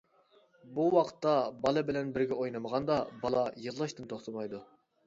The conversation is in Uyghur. بۇ ۋاقىتتا بالا بىلەن بىرگە ئوينىمىغاندا بالا يىغلاشتىن توختىمايدۇ.